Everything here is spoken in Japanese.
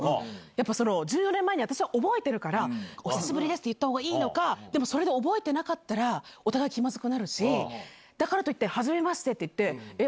やっぱ１４年前に私は覚えてるから、お久しぶりですって言ったほうがいいのか、でもそれで覚えてなかったら、お互い気まずくなるし、だからといって、はじめましてって言って、え？